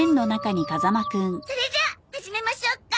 それじゃあ始めましょうか。